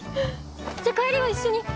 じゃあ帰りは一緒に。